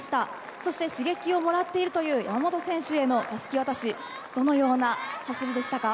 そして、刺激をもらっているという山本選手へのたすき渡しどのような走りでしたか。